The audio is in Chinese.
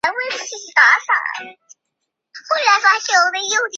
刘粲及后就派靳准杀死刘乂。